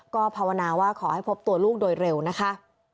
ก็ภาวนาว่าขอให้พบตัวลูกโดยเร็วนะคะ